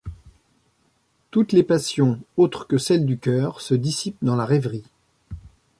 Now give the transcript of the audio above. Toutes les passions, autres que celles du cœur, se dissipent dans la rêverie.